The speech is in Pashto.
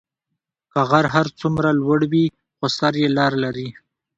که غر هر څومره لوړی وي، خو سر یې لار لري.